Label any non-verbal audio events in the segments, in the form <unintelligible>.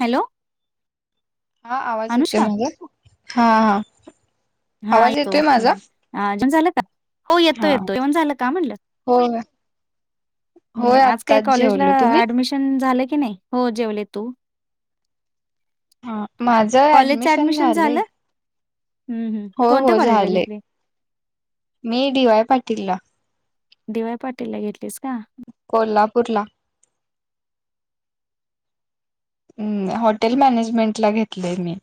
Hello. हा आवाज येतोय अनुष्का माझा? हा हा. हा आवाज येतो येतोय माझा हं. जेवण झालं का? हो येतो हा येतो. जेवण झालं का म्हणलं? होय. हम्म होय आज काही आत्ताच कॉलेजला जेवलो तुम्ही ऍडमिशन झाले की नाही? हो जेवले. तू? हा माझं कॉलेजचा ऍडमिशन झालं? हम्म हम्म. हो कोणत्या हो कॉलेजला झालंय. घेतली मी डीवाय पाटीलला. डी वाय पाटीलला घेतलीस का? कोल्हापूरला. हम्म हॉटेल मॅनेजमेंटला घेतलंय मी.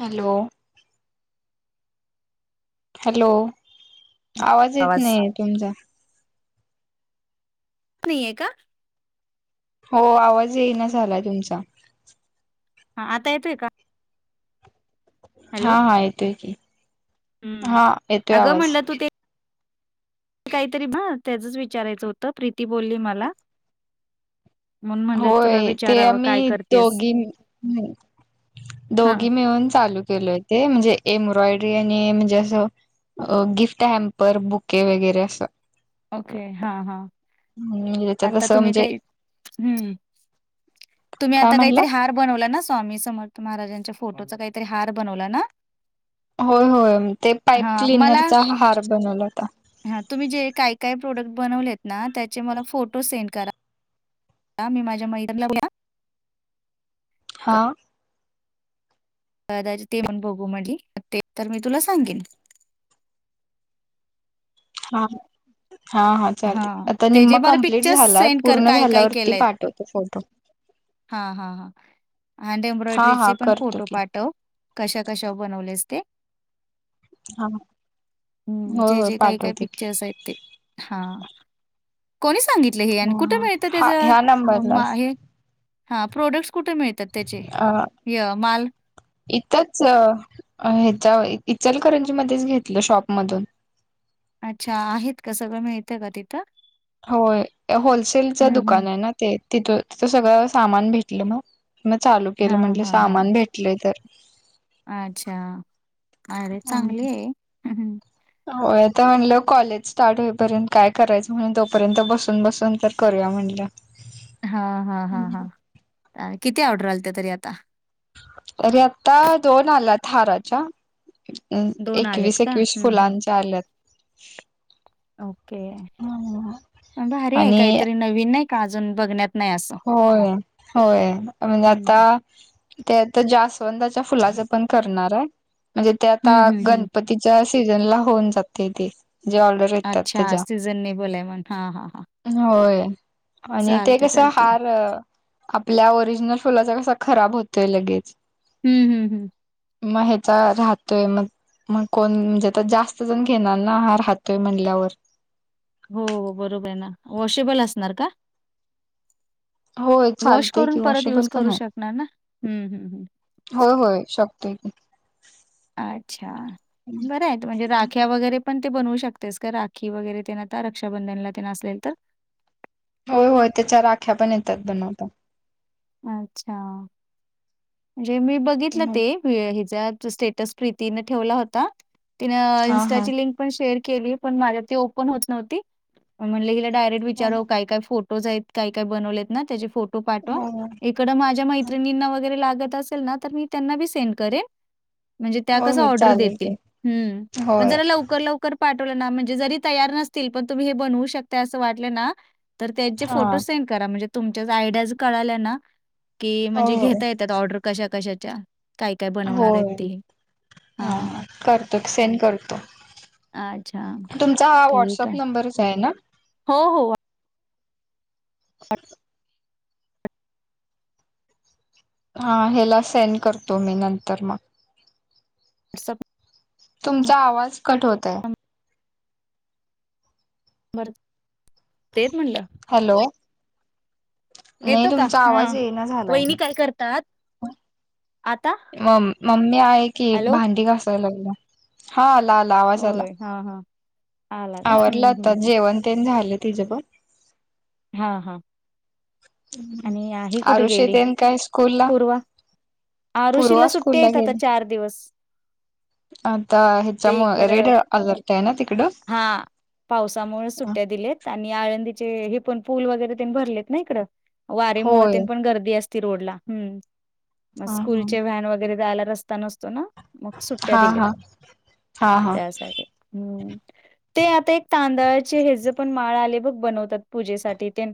हॅलो. हॅलो, आवाज येत नाहीये तुमचा. येत नाहीये का? हो आवाज येईना झालाय तुमचा. हां आता येतोय का? हॅलो हा हा येतोय की. हम्म हा येतोय अगं आवाज. म्हणलं तू ते काहीतरी हा त्याचच विचारायचं होतं, प्रीती बोलली मला. म्हणून म्हणलं तुला होय ते विचारावं काय आम्ही करतेस दोघी हम्म हा दोघी मिळून चालू केलंय ते म्हणजे एम्ब्रॉयडरी आणि म्हणजे असं अ गिफ्ट हॅम्पर, बुके वगैरे असं. ओके हा हा. म्हणजे त्याच्यात आता असं तुम्ही म्हणजे काही हम्म. तुम्ही काय आता म्हटलं काहीतरी हात बनवला ना स्वामी समर्थ महाराजांच्या फोटोचा काहीतरी हार बनवला ना? होय होय म ते पाईप हां, क्लिनरचा हार बनवला होता. ह तुम्ही जे काय काय प्रोडक्ट बनवलेत ना त्याचे मला फोटो सेंड करा. हा मी माझ्या मैत्रिणींना <unintelligible> हा. <unintelligible> ते पण बघू म्हंटली ते तर मी तुला सांगेन. हा हा हा. चालतंय हां, आता ते जे निम्म मला कम्प्लीट पिक्चर्स झालाय सेंड कर पूर्ण काय-काय झाल्यावरती पाठवतो फोटो. हा हा हा. आणि ते हा हा एम्ब्रॉयडरीचे पण करतो फोटो की पाठव. कशा कशावर बनवलेस ते. हा हम्म होय जे होय जे काही काही पाठवते की पिक्चर्स आहेत ते. हा. कोणी सांगितलं हे? ह आणि कुठं ह मिळतं हा त्याच ह्या म नंबरला मा हे हा प्रोडक्टस कुठे मिळतात त्याचे, य माल? इथचं अ ह्याच्या इचलकरंजीमध्येच घेतलं शॉपमधून. अच्छा आहेत का सगळं मिळतं का तिथं? होय या होलसेलचं हं, हं. दुकान आहे ना ते तिथं तिथं सगळं सामान भेटलं मग. मग चालू केलं हां, म्हंटल हां, हां. सामान भेटलंय तर अच्छा आयडिया चांगली आहे. होय आता म्हणलं कॉलेज स्टार्ट होईपर्यंत काय करायचं म्हणून तोपर्यंत बसून बसून तर करूया म्हणलं. हा हा हा हा. अ किती ऑर्डर आलत्या तरी आता? तरी आता दोन आल्यात हाराच्या. अं आलेत एकवीस का? एकवीस हं, हं. फुलांच्या आल्यात. ओके भारी आहे आणि काहीतरी नवीन नाही का अजून बघण्यात नाही अस. होय होय. म्हणजे आता हं. ते आता जास्वंदाच्या फुलाचं पण करणार आहे. म्हणजे ते आता हं, हं, हं. गणपतीच्या सीजनला होऊन जाते ते जे ऑर्डर येतात अच्छा त्याच्या सिजनेबल हाय म्हणुन. हा हा हा. होय आणि ते कसा चालते. अ आपल्या ओरिजिनल फुलाचा कसा खराब होतोय लगेच. हम्म, हम्म, हम्म. मग ह्याचा राहतोय मग मग कोण आता जास्तजण घेणार ना, हार राहातोय म्हणल्यावर. हो बरोबर आहे ना. वॉशेबल असणार का? होय वॉश चालतय करून की परत वॉशेबल युज पण करू आहे शकणार ना? हम्म, हम्म, हम्म. होय होय शकतोय की. अच्छा बरं आहेत म्हणजे राख्या वगैरे पण ते बनवू शकतेस का राखी वगैरे तेन आता रक्षाबंधनला ते असले तर? होय होय त्याच्या राख्या पण येतात बनवता. अच्छा जे मी बघितलं ते हे हिचा स्टेटस प्रीतीने ठेवला होता. तिनं हा हा इनस्टाची लिंक पण शेअर केली, पण माझ्यात ती ओपन होत न्हवती. मग म्हंटले हिला डायरेक्ट हो विचाराव काय काय फोट टोज आहेत. काही काय बनवलेत ना त्याचे फोटो पाठवा. होय इकडं माझ्या मैत्रिणींना वगैरे लागत असेल ना, तर मी त्यांना बी सेंड करेन. म्हणजे त्या कसं होय ऑर्डर चालेल देतील की हं, पण होय जरा लवकर लव खरं पाठवलं ना म्हणजे जरी तयार नसतील, पण तुम्ही हे बनवू शकताय असं वाटलं ना तर त्यांचे हा फोटो सेंड करा म्हणजे तुमच्या आयडियाज कळाल्या ना की म्हणजे होय घेता येतात ऑर्डर कशा कशाच्या. काय काय बनवणार आहेत होय ते, हा. तर सेंड करतो. अच्छा. तुमचा हा ठीक व्हाट्सअप आहे. नंबरच आहे ना? हो हो. <inaudible> हा हेला सेंड करतो मी नंतर मग. <unintelligible> तुमचा आवाज कट होतोय. बर तेेच म्हणलं. हॅलो. नाही येतो का? तुमचा हा. आवाज येईना झालाय वहिनी काय करतात? आता? म मम्मी आहे की हॅलो. भांडी घासाय लागल्या. हा आला आला आवाज आला. हा, हा. आवरलं आता जेवण तेण झालं तिज पण. हा हा. आणि हि कुठे आरुषी गेली तेन काय स्कूल ला पूर्वा? पूर्वा आरूषीला सुट्टी स्कूल ला आहेत आता गेली चार दिवस. आता ते ह्याच्यामुळं इकड रेड अलर्ट आहे ना तिकडं. हा पावसामुळे सुट्ट्या दिल्यात. आणि आळंदीचे हे पण पूल वगैरे तेन भरलेत ना हिकडं. वारीमुळ होय तेन पण गर्दी अस ती रोडला, मग हा स्कूलचे व्हॅन वगैरे जायला रस्ता नसतो ना. मग सुट्ट्या हा हा दिलेत हा हा हा त्यासाठी. हम्म. ते आता एक तांदळाचे हेज पण माळ आलंय बघ बनवतात पूजेसाठी तेन.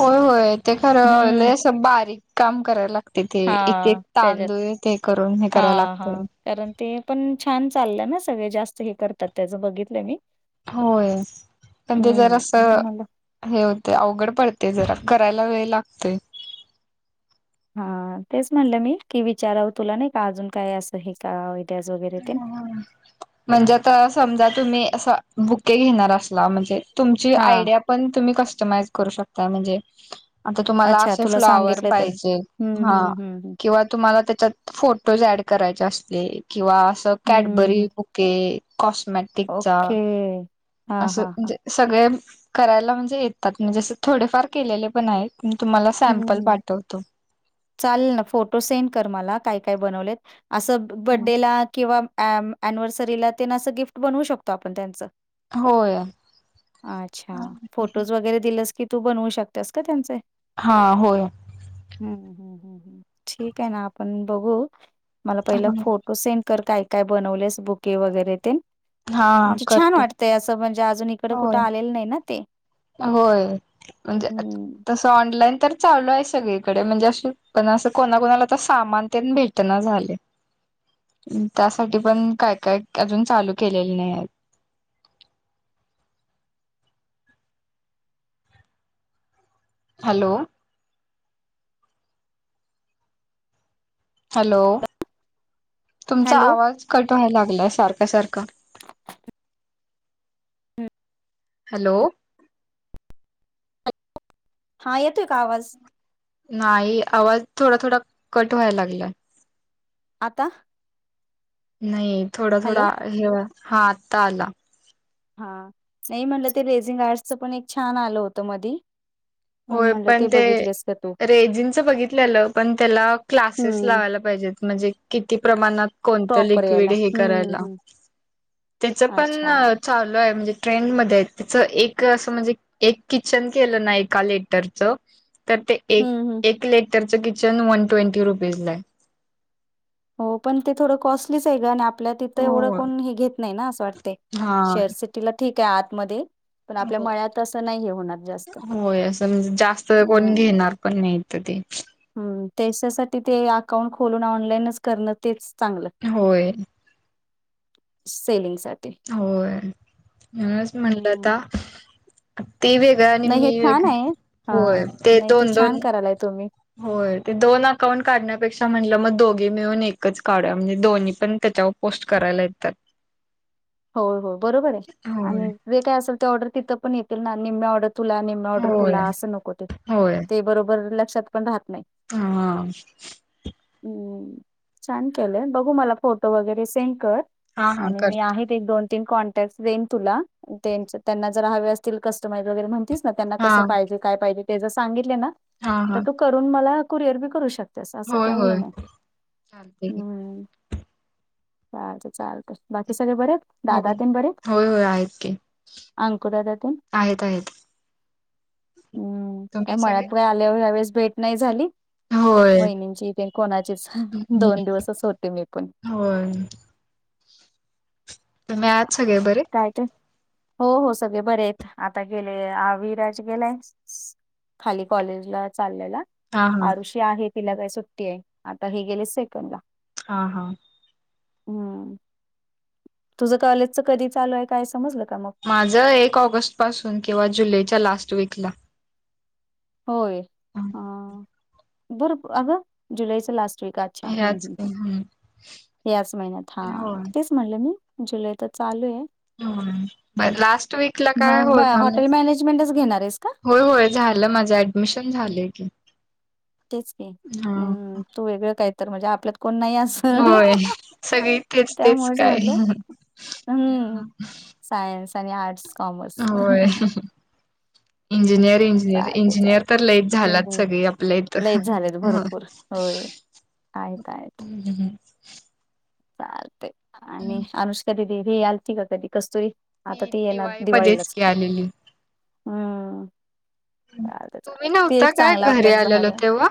होय, होय. ते खरं हम्म लई असं बारीक काम करायला लागते ते एक एक हा त्याच्यात तांदूळ ते करून हे हा, करायला लागतय हा. कारण ते पण छान चाललंय ना सगळे जास्त हे करतात त्याच बघितलंय मी. होय, पण ते हम्म जरासं म्हणून म्हणलं हे होतंय अवघड पडते जरा करायला वेळ लागतोय. हां तेच म्हटलं मी की विचारावं तुला नाही का अजून काय असं आहे का आयडियाज वगैरे तेन. म्हणजे आता समजा तुम्ही असा बुके घेणार असला म्हणजे तुमची हा आयडिया पण तुम्ही कस्टमाइज करू शकता म्हणजे आता तुम्हाला अच्छा असे तुला फ्लॉवर सांगितलं तर पाहिजे, हम्म हम्म हा हम्म किंवा तुम्हाला त्याच्यात फोटोज ॲड करायचे असते किंवा असं हम्म हम्म कॅडबरी हम्म बुके कॉस्मेट टिकचा ओके हा असं हा हा म्हणजे सगळे करायला म्हणजे येतात म्हणजे अस थोडेफार केलेले पण आहेत. मी तुम्हाला हम्म सॅम्पल हम्म पाठवतो. चालेल ना फोटो सेंड कर मला काय काय बनवलेत असं बड्डेला किंवा अम ॲनिव्हर्सरीला ते ना असं गिफ्ट बनवू शकतो आपण त्यांचं होय अच्छा फोटोज वगैरे दिलस की तू बनवू शकतियास काय त्यांचे हा होय हं हं हं. हं हं. ठीक आहे ना आपण बघू मला पहिला हा फोट टोज सेंड कर काय काय बनवलेस बुके वगैरे ते हा म्हणजे छान करतो वाट ते असं म्हणजे अजून इकडं कुठे होय. आलेलं नाही ना ते होय म्हणजे आत हम्म. तस ऑनलाईन तर चालू आहे सगळीकडे म्हणजे पण असं कोणाकणाला तर सामान भेटली झालय <inaudible> त्यासाठी पण काय काय अजून चालू केलेले नाही आहेत. हॅलो हॅलो तुमचा हॅलो आवाज कट होयाला लागलाय सारखा सारखा हम्म. हॅलो हा येतोय का आवाज? नाही आवाज थोडा थोडा कट होयला लागलाय आता? नाही थोडा हॅलो थोडा हे हा आता आला हा नाही म्हटलं ते रेझिंग आर्टसच पण एक छानं आलं होतं मधी होय म्हणलं पण ते बघितलेस का तू रेजिंगच बघितलेलं पण त्याला क्लासेस हम्म. लावायला पा पाहिजेत म्हणजे किती प्रमाणात? कोणतं प्रॉपर याला लिक्विड हे हम्म करायला, हम्म. त्याच पण अच्छा. चालू आहे म्हणजे ट्रेंन मध्ये आहेतचं एक असं म्हणजे एक किचन केलं ना एक एका लेटरचं तर ते एक हम्म हम्म. एक लेटरचं किचन वन ट्वेंटी रुपीजला आहे. हो पण ते थोडं कॉस्टलीच आहे ग आणि आपल्या तिथं एवढं हो कोण हे घेत नाही ना असं वाटत तय हा शहर सिटीला ठीक आहे आतमध्ये पण आपल्या हो मळ्यात असं नाही हे होणार जास्त. होय असं म्हणजे जास्त कोण हम्म. घेणार पण नाहीत ते हम्म त्याच्यासाठी ते अकाउंट खोलून ऑनलाईनच करणं तेच चांगलं होय सेलिंग साठी होय म्हणूनच म्हटलं हम्म. तर ते व्य आणि नाही हे मी छान एक होय ते दोन दोन आलाय तुम्ही होय ते दोन अकाउंट काढण्यापेक्षा म्हटलं मग दोघे मिळून एकच काढू म्हणजे दोन पण त्याच्याव पोस्ट करायला येतात. <inaudible> हो हो बरोबर आहे होय आणि जे काय असेल ते ऑर्डर तिथं पण येतील ना, निम्मे ऑर्डर तुला आणि ऑर्डर होय तुला अस नको ते होय ते बरोबर लक्षात पण राहत नाही. हा. हं छान केलंय बघू मला फोटो वगैरे सेंड कर हा हा आणि मी करतो आहे एक दोन तीन कॉन्टॅक्ट देईन तुला त्यांचं त्यांना जरा हवे असतील कस्टमाईज वगैरे म्हणतीस त्यांना हा कस पाहिजे काय पाहिजे ते जर सांगितले ना हा हा तर तू करून मला कुरिअर बी करू शक त्यास असं होय काही होय नाही चालते की हम्म काय आता चालतंय. बाकी सगळे बरे आहेत? हो दादा तेन बरे येत? होय होय आहेत की अंकू दादा तेन? आहेत आहेत हम्म काय तुम्ही मळ्यात सगळे बाय आल्यावर यावेळेस भेट नाही झाली. होय वहिनींची तेन कोणाचीच दोन दिवसच होते मी पण. होय. तुम्ही आहात सगळे बरे? काय ते? हो हो सगळे बरे आहेत. आता गेले आ विराज गेलाय खाली कॉलेजला चाललेला. हा हा आरुषी आहे तिला काय सुट्टी आहे. आता हे गेले सेकंडला. हा, हा. हम्म. तुझं कॉलेजच कधी चालू आहे काय समजलं का मग? माझं एक ऑगस्टपासून किंवा जुलैच्या लास्टवीकला. होय. अ बर अगं जुलैचा लास्टवीकात. अच्छा हम्म ह्याच हम्म हम्म याच महिन्यात. हा हो तेच म्हणलं मी जुलै तर चालू आहे. होय मग लास्ट वीकला काय मग बा होणार नाही. हॉटेल मॅनेजमेंटच घेणार आहेस का? होय होय झालं माझं ऍडमिशन झालंय की. तेचकी हा. हम्म तू वेगळं काही तर म्हणजे आपल्यात कोण नाही अस होय. सगळी तेेच तेच काय म्हटलं हं, सायन्स आणि आर्ट्स कॉमर्स. होय इंजिनियरिंग चालतंय चालतंय. इंजिनियर तर लईत झाल्यात हं, सगळी आपल्या लयच इथं. झालेत भरपूर. होय, आहेत आहेत. हम्म, हम्म, हम्म. चालतंय आणि अनुष्कादिदी हि आलती का कधी कस्तूरी. आता ती येणार दिवाळीमध्येच दिवाळीलांच, की आलेली. हम्म. चालत‌ंय चालतंय. तुम्ही ते नव्हता एक काय चांगलं घरी आपल्यात बाहेर आलेलो तेव्हा?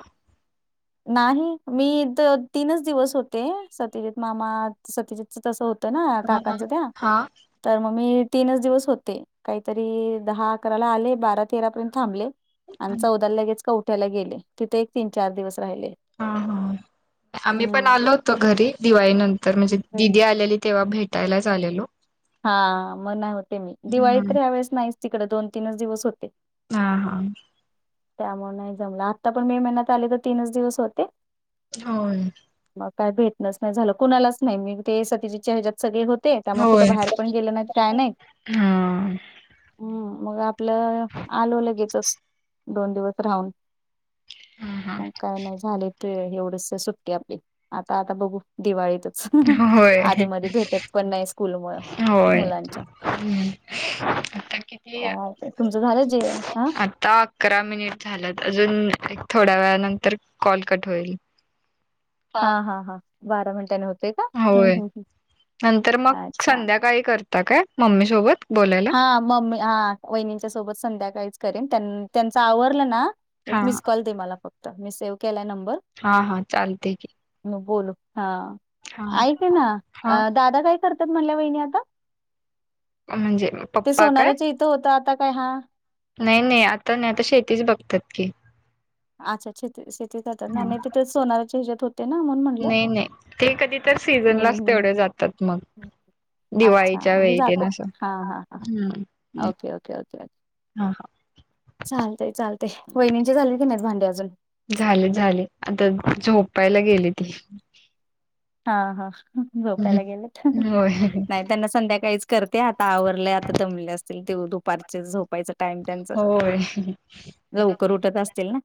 नाही मी इथं तीनच दिवस होते. सत्यजित मामा सत्यजीतचं तसं होतं ना हा काकांचं त्या हा तर मग मी तीनच दिवस होते. काहीतरी दहा अकराला आले बारा तेरापर्यंत थांबले. आणि चौदा लगेच कवठ्याला गेले तिथे एक तीन चार दिवस राहिले. हा हा. आम्ही हं. पण आलो होतो घरी दिवाळीनंत तर म्हणजे हं. दिदी आलेली तेव्हा भेटायलाच आलेलो. हा मग न्हवते मी दिवाळी हम्म. तर ह्या वेळेस नाहीच तिकडं दोन तीन दिवसच होते. हा, हा. त्यामुळं नाही जमलं. आत्ता पण मे महिन्यात आले तर तीनच दिवस होते. होय? मग काय भेटणच नाही झालं. कुणालाच नाही मी ते सत्यजीतच्या हेजात सगळे होते, त्यामुळं होय कुठं बाहेर पण गेलं नाही, काय नाही. हा. हम्म, मग आपलं आलो लगेचच दोन दिवस राहून. हा मग काय नाही झाले ते एवढच सुट्टी आपली. आता आता बघू. दिवाळीतच हा होय आधी मधी भेटत पण नाही स्कूलमुळं. होय मुलांच्या आता किती <unintelligible> बापरे. तुमचं झालं जे हा आत आता अकरा मिनिट झाल्यात. अजून एक थोड्या वेळानंतर कॉल कट होईल. हा, हा, हा. बारा मिनटांनी हो होय नंतर मग अच्छा संध्याकाळी करता काय मम्मी सोबत? बोलायला हा मम्मी हा वहिनींच्या सोबत संध्याकाळीच करेन. त्यानं त्यांच आवरलं ना एक हा मिस कॉल दे मला फक्त, मी सेव केलाय नंबर. हा हा चालतेय की. बोलू हा हा आईकना हा दादा काय करतात म्हणल्या वहिणी आता? अ म्हणजे. ते पप्पा काय सोनाराच्या इथं होता आता काय हा नाही नाही आता नाही, आता शेतीच बघतात की. आच्छा <unintelligible> ते शेती कराताना हा नाही तिथ सोनाराच्या हच्यात होते ना मण म्हणलं नाही नाही हम्म हम्म. त्यात मग. अच्छा दिवाळीच्या म्हणजे वेळी ते जातात नस हा हा हा हम्म हम्म ओके ओके ओके हम्म हा. चालतय चालतय वहिणींच चालेल की नाहीत भांडे अजून. झाले झाले आता झोपायला गेली ती. हा हा झोपयला गेल होय नाही त्यांनास. संध्याकाळीच करते आता आवरलंय आता दामले असतील ते दुपारचे झोपायचं. टाईम त्यांच होय लवकर उठत असतील ना.